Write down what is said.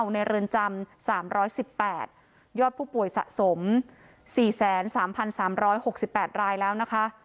ในเรือนจำ๓๑๘ยอดผู้ป่วยสะสม๔๓๓๖๘รายแล้วนะคะ